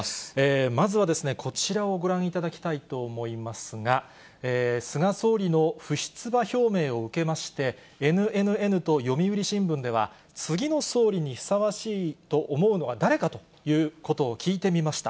まずは、こちらをご覧いただきたいと思いますが、菅総理の不出馬表明を受けまして、ＮＮＮと読売新聞では、次の総理にふさわしいと思うのは誰かということを聞いてみました。